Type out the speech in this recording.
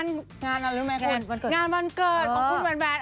งานวันเกิดของคุณแวนแวน